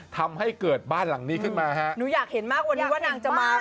ทำให้เกิดบ้านหลังนี้ขึ้นมาฮะหนูอยากเห็นมากวันนี้ว่านางจะมา